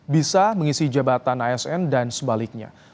bisa mengisi jabatan asn dan sebaliknya